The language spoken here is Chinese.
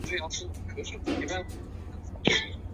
乞伏干归便把乞伏炽磐等人送到西平。